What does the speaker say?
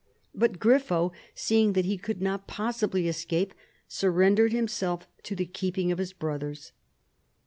But Grifo, seeing that he could not possibly escape, surrendered himself to the keeping of his brothers.